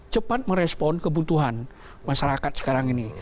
cepat merespon kebutuhan masyarakat sekarang ini